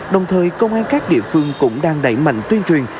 đồng thời công an các địa phương cũng đang đẩy mạnh tuyên truyền